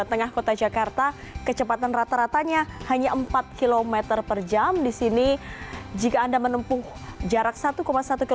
tengah kota jakarta kecepatan rata ratanya hanya empat km per jam di sini jika anda menempuh jarak satu satu ke